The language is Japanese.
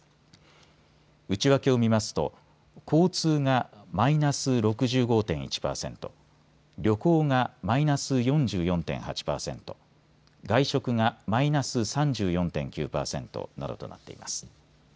内訳を見ますと交通がマイナス６５．１％、旅行がマイナス４４．８％、外食がマイナス３４．９％などとなっています。